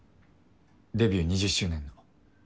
デビュー２０周年の。